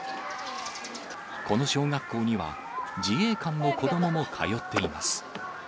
この小学校には、自衛官の子どもも通っています。